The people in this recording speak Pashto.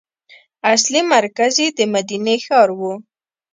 اصلي مرکز یې د مدینې ښار و.